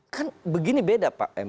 kan begini beda pak